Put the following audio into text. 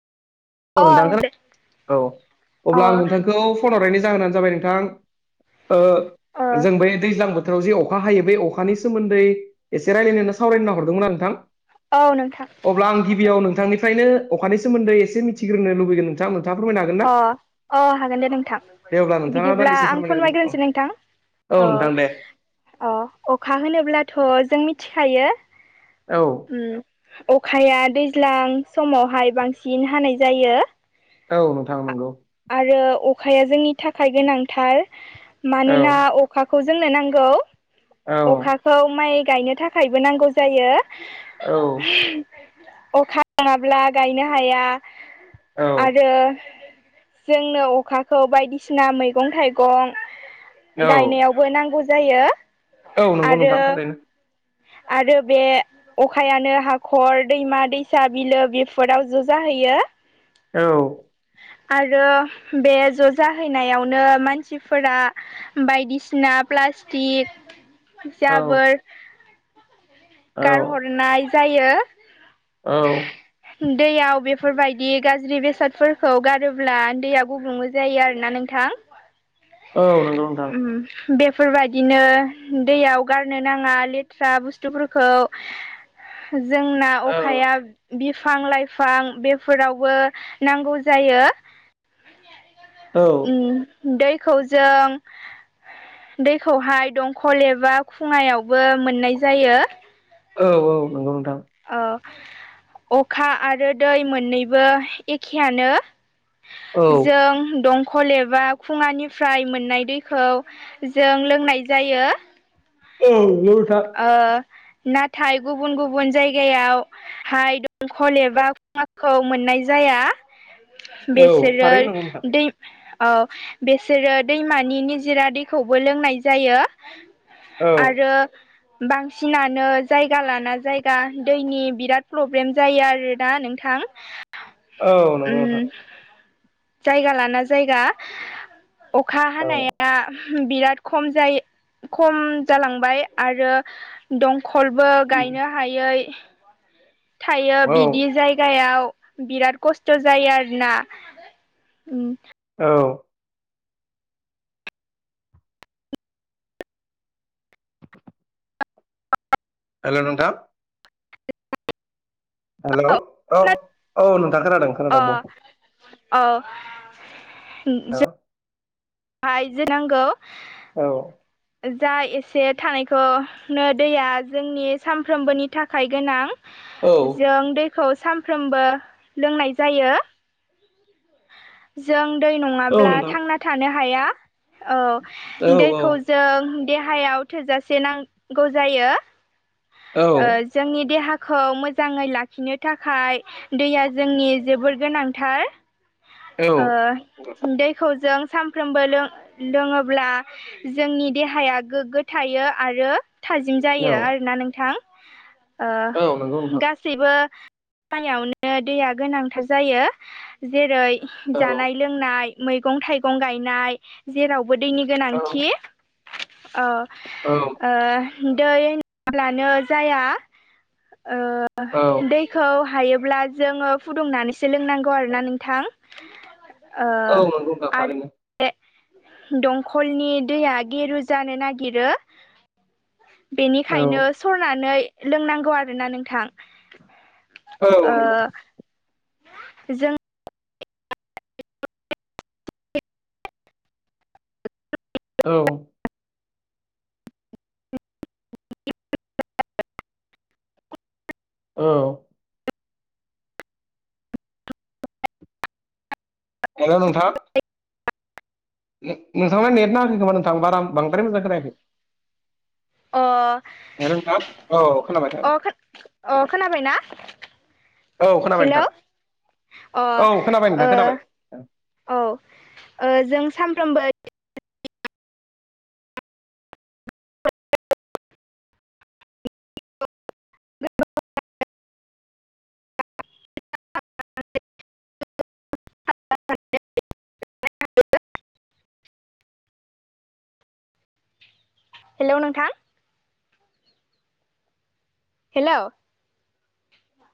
अ औ नोंथां खो औ अ अब्ला आं नोंथांखौ फननि जाहोनानो जाबाय नोंथां अ जों बे दैज्लां बोथोराव जे अखा हायो बे अखानि सोमोन्दै एसे रायजलायनायनानै सावरायना हरदोंमोन नोंथां औ नोंथां अब्ला आं गिबियाव नोंथांनिफ्रायनो अखानि सोमोन्दै एसे मिथिग्रोनो लुबैगोन नोंथां। नोंथाङा फोरमायनो हागोन ना? अ अ हागोन दे नोंथां दे अब्ला नोंथाङा बिदिब्ला दान्दिसे आं फोरमायगोन औ फोरमायग्रोनोसै नोंथां। औ नोंथां दे ओ अखा होनोब्लाथ' जों मिथिखायो औ उम अखाया दैज्लां समावहाय बांसिन हानाय जायो औ नोंथां नंगौ आरो अखाया जोंनि थाखाय गोनांथार औ मानोना अखाखौ जोंनो नांगौ औ अखा खौ माइ गायनो थाखायबो नांगौ जायो औ अखा नङाब्ला गायनो हाया औ आरो जोंनो अखाखौ बायदिसिना मैगं थाइगं गायनायाव बो नांगौ जायो औ नंगौ आरो नोंथां थारैनो आरो बे अखायानो हाखर दैमा दैसा बिलो बेफोराव ज' जाहैयो औ आरो बे ज' जाहैनायावनो मानसिफोरा बायदिसिना प्लास्टिक औ जाबोर औ गारहरनाय जायो औ दैयाव बेफोरबायदि गाज्रि बेसादफोरखौ गारोब्ला दैया गुबुंबो जायो आरोना नोंथां। [inaudible] औ नंगौ नोंथां उम बे फोरबायदिनो दैयाव गारनो नाङा लेथ्रा बुस्थुफोरखौ जोंना औ अखाया बिफां-लाइफां बेफोरावबो नांगौ जायो। औ उम दैखौ जों दैखौहाय दंखल एबा खुङायावबो मोननाय जायो। औ औ नंगौ नोंथां औ अखा आरो दै मोननैबो एखेयानो। औ जों दं कल एबा खुङानिफ्राय मोननाय दैखौ जों लोंनाय जायो। औ [unintelligible] ओ नाथाय गुबुन गुबुन जायगायाव हाय दंखल एबा खुवाखौ मोननाय जाया। औ बेसोरो थारैनो नंगौ नोंथां दै औ बेसोरो दैमानि निजिरा दैखौबो लोंनाय जायो। औ आरो बांसिनानो जायगा लाना जायगा दैनि बिराद प्रब्लेम जायो आरो दा नोंथां। थां औ नंगौ नोंथां उम जायगा लाना जायगा अखा औ हानाया बिराद खम जायो खम जालांबाय आरो दंखलबो उम गायनो हायै थायो औ बिदि जायगायाव बिराद खस्थ' जायो आरोना औ [inaudible] हेल नोंथां हेल' औ औ नोंथां खोनादों खोनादों बुं औ उम औ आयजो नांगौ औ जा एसे थानायखौनो दैया जोंनि सानफ्रोमबोनि थाखाय गोनां औ जों दैखौ सानफ्रोमबो लोंनाय जायो जों दै औ नङाब्ला नोंथां थांना थानो हाया औ दैखौ जों देहायाव थोजासे नांगौ जायो औ जोंनि देहाखौ मोजाङै लाखिनो थाखाय दैया जोंनि जोबोर गोनांथार औ दैखौ जों साम साफ्रोमबो लोङोब्ला जोंनि देहाया गोग्गो थायो आरो थाजिम औ जायो आरोना नोंथां औ नंगौ नोंथां गै गाससिबो खयावनो दैया गोनांथार जायो जेरै औ जानाय लोंनाय मैगं थाइगं गायनाय जेरावबो दैनि औ गोनांथि अ औ दै होनाब्लानो जाया औ दैखौ हायोब्ला जोङो फुदुंनानैसो लोंनांगौ आरोना नोंथां दंमारो दंखलनि दैया गेरु जानो नागिरो औ बेनिखायनो सरनानै लोंनांगौ आरोना नोंथां औ आ नंगौ जों औ बि औ हेलौ नोंथां नोंथांना नेना होै खोमा नोंथां बार बद्राय मजां खोनायाखै अ हेल' नोंथां औ खोनाबाय अ खोनाबाय, अ खोनाबाय ना औ खोनाबाय हेलौ नोंथां औ खोनाबाय अ नोंथां खोनाबाय औ जों सानफ्रोमबो [inaudible] हेलौ नोंथां हेलौ